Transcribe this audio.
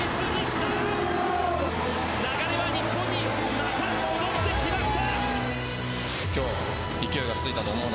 流れは日本にまた戻ってきました。